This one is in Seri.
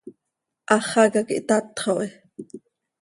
Háxaca quih tatxo hi.